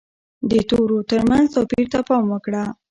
د تورو ترمنځ توپیر ته پام وکړه.